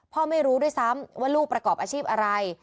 ไม่รู้ด้วยซ้ำว่าลูกประกอบอาชีพอะไร